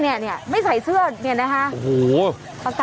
เอาเนี่ยไม่ใส่เสื้อนเนี่ยนะคะ